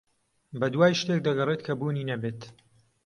بەدوای شتێک دەگەڕێت کە بوونی نەبێت.